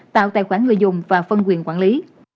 tạo tài khoản người dùng và phân quyền quản lý